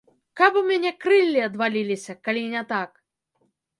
Каб у мяне крыллі адваліліся, калі не так!